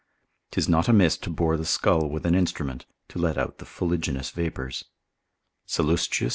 'Tis not amiss to bore the skull with an instrument, to let out the fuliginous vapours. Sallus.